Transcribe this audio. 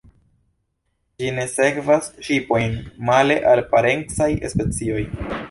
Ĝi ne sekvas ŝipojn, male al parencaj specioj.